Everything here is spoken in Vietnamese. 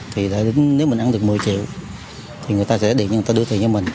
thì nếu mình ăn được một mươi triệu thì người ta sẽ điện cho người ta đưa tiền cho mình